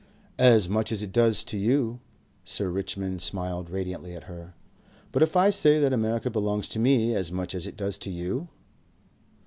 "As much as it does to you." Sir Richmond smiled radiantly at her. "But if I say that America belongs to me as much as it does to you?"